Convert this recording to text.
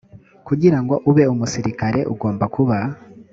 kugira ngo ube umusirikare ugomba kuba